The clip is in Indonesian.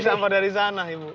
kiriman sampah dari sana